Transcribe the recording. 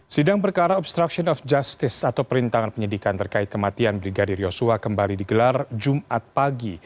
sidang perkara obstruction of justice atau perintangan penyidikan terkait kematian brigadir yosua kembali digelar jumat pagi